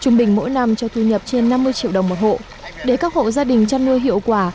trung bình mỗi năm cho thu nhập trên năm mươi triệu đồng một hộ để các hộ gia đình chăn nuôi hiệu quả